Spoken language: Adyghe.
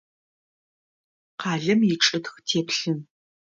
Къалэм ичӏытх теплъын.